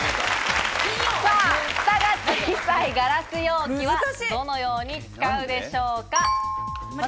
ふたが小さいガラス容器はどのように使うでしょうか？